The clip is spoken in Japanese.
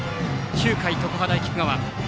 ９回、常葉大菊川。